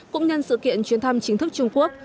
cũng nhân sự kiện chuyến thăm chính thức trung quốc